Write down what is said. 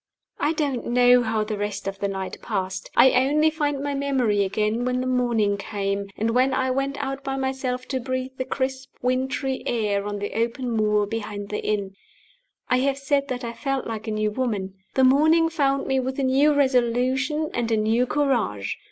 I don't know how the rest of the night passed. I only find my memory again when the morning came, and when I went out by myself to breathe the crisp wintry air on the open moor behind the inn. I have said that I felt like a new woman. The morning found me with a new resolution and a new courage.